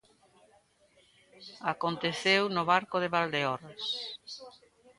Aconteceu no Barco de Valdeorras.